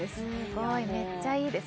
すごいめっちゃいいです